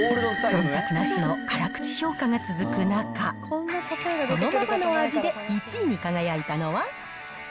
そんたくなしの辛口評価が続く中、そのままの味で１位に輝いたのは。